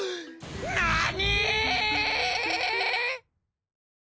なに！？